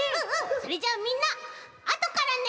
それじゃあみんなあとからね！